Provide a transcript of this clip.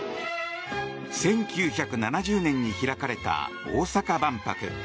１９７０年に開かれた大阪万博。